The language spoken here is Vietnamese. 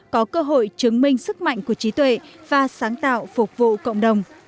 có cơ hội chứng minh sức mạnh của trí tuệ và sáng tạo phục vụ cộng đồng